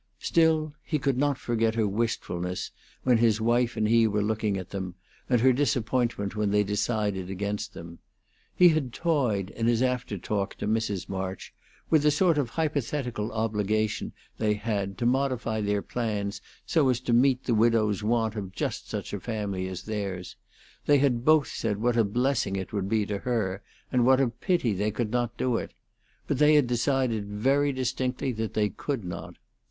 Still, he could not forget her wistfulness when his wife and he were looking at them, and her disappointment when they decided against them. He had toyed, in his after talk to Mrs. March, with a sort of hypothetical obligation they had to modify their plans so as to meet the widow's want of just such a family as theirs; they had both said what a blessing it would be to her, and what a pity they could not do it; but they had decided very distinctly that they could not.